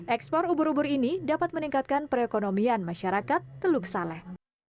ekspor ubur ubur ini dapat meningkatkan perekonomian masyarakat teluk saleh